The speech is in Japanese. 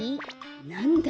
なんだ？